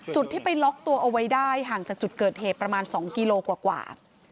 จุดที่ไปล็อกตัวเอาไว้ได้ห่างจากจุดเกิดเหตุประมาณ๒กิโลกว่า